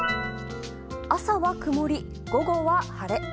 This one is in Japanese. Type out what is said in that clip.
朝は曇り、午後は晴れ。